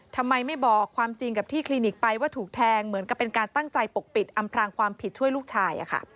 ทำไมไม่บอกความจริงกับที่คลินิกไปว่าถูกแทงเหมือนกับเป็นการตั้งใจปกปิดอำพรางความผิดช่วยลูกชาย